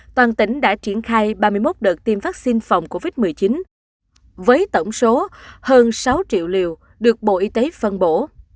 toàn tỉnh đã triển khai ba mươi một đợt tiêm vaccine phòng covid một mươi chín với tổng số hơn sáu triệu liều được bộ y tế phân bổ